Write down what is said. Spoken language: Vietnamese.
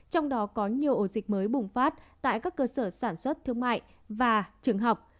trong đó có nhiều ổ dịch mới bùng phát tại các cơ sở sản xuất thương mại và trường học